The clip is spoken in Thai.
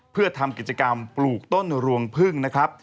เพื่อทำกิจกรรมปลูกต้นรวงพึ่งนะครับ